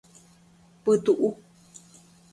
Pytuʼu.